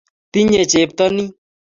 Tinyei cheptonin ----